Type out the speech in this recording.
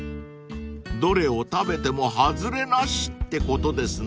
［どれを食べても外れなしってことですな］